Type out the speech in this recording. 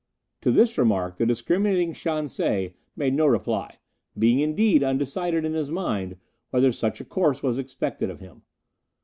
"To this remark the discriminating Shan se made no reply, being, indeed, undecided in his mind whether such a course was expected of him.